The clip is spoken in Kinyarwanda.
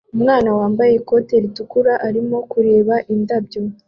Umwana wambaye ikoti ritukura arimo kureba indabyo